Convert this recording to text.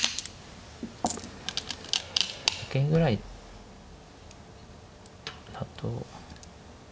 一間ぐらいだと。